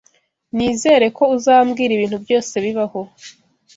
Nizere ko uzambwira ibintu byose bibaho.